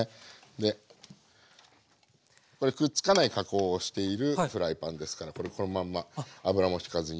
でこれくっつかない加工をしているフライパンですからこのまんま油もしかずにね。